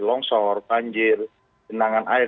longsor panjir jenangan air